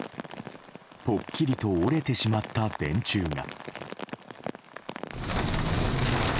ぽっきりと折れてしまった電柱が。